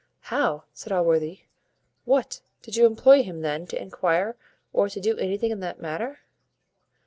"How!" said Allworthy; "what, did you employ him then to enquire or to do anything in that matter?"